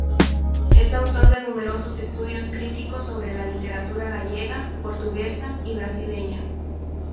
Es autor de numerosos estudios críticos sobre la literatura gallega, portuguesa y brasileña.